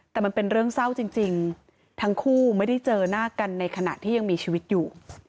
แต่มันเป็นเรื่องเศร้าจริงทั้งคู่ไม่ได้เจอหน้ากันในขณะที่ยังมีชีวิตอยู่